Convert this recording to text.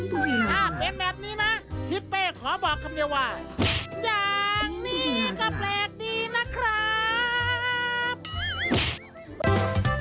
ถ้าเป็นแบบนี้นะทิเบ่ขอบอกคำเดียวว่า